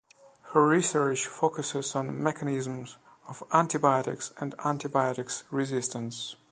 Her research focuses on mechanisms of antibiotics and antibiotic resistance.